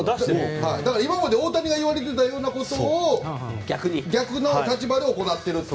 だから、今まで大谷が言われていたようなことを逆の立場で行っていると。